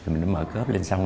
mình mới mở cớp lên xong